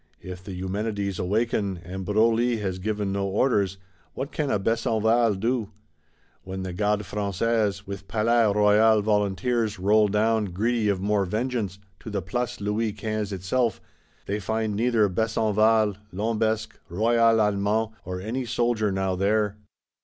If the Eumenides awaken, and Broglie has given no orders, what can a Besenval do? When the Gardes Françaises, with Palais Royal volunteers, roll down, greedy of more vengeance, to the Place Louis Quinze itself, they find neither Besenval, Lambesc, Royal Allemand, nor any soldier now there.